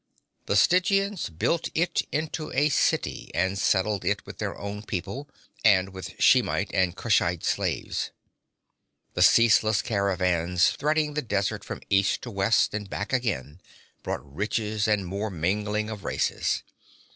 The Stygians built it into a city and settled it with their own people, and with Shemite and Kushite slaves. The ceaseless caravans, threading the desert from east to west and back again, brought riches and more mingling of races.